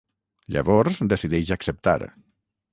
Llavors decideix acceptar.